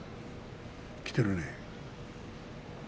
来てるね。